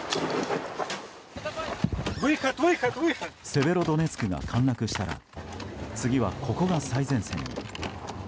セベロドネツクが陥落したら次はここが最前線に。